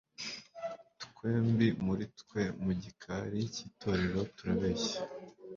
Twembi muri twe mu gikari cyitorero turabeshya